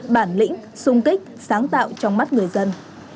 bản lĩnh sung kích sáng tạo trong mắt người dân